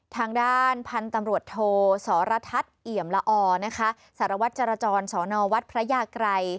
ทางด้านพันธุ์ตำรวจโทสรทัศน์เอี่ยมละอนะคะสารวัตรจรจรสอนอวัดพระยากรัย